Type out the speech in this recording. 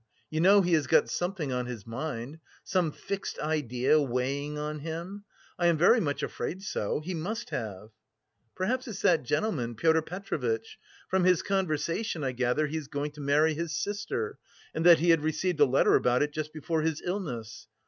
You know he has got something on his mind! Some fixed idea weighing on him.... I am very much afraid so; he must have!" "Perhaps it's that gentleman, Pyotr Petrovitch. From his conversation I gather he is going to marry his sister, and that he had received a letter about it just before his illness...."